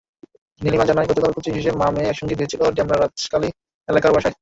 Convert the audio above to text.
নীলিমা জানায়, গতকাল কোচিং শেষে মা-মেয়ে একসঙ্গে ফিরছিল ডেমরার রাজাখালী এলাকার বাসায়।